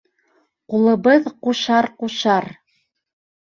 Ҡулыбыҙ ҡушар-ҡушар.